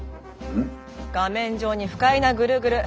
画面上に不快なぐるぐる。